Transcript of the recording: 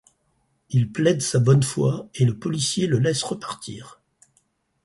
Il plaide sa bonne foi et le policier le laisse repartir.